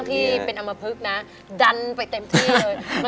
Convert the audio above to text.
ที่เป็นอำมพลึกนะดันไปเต็มที่เลย